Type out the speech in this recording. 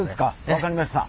分かりました。